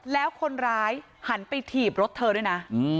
แล้วคนร้ายหันไปถีบรถเธอด้วยนะ